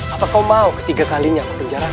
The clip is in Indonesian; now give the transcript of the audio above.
apa kau mau ketiga kalinya memenjarakan